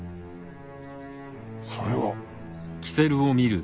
それは？